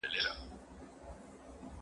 څه شي د انسان په ژوند کي د پرمختګ مخه نیسي؟